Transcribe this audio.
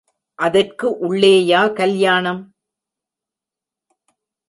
அதற்கு உள்ளேயா கல்யாணம்?